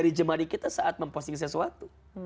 di jari jemaah kita saat memposting sesuatu